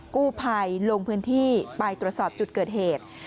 กู้ภัยลงพื้นที่ไปตรวจสอบจุดเกิดเหตุ